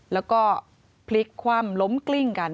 แล้วก็พลิกคว่ำล้มกลิ้งกัน